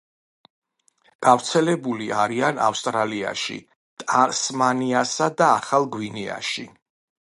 გავრცელებული არიან ავსტრალიაში, ტასმანიასა და ახალ გვინეაში.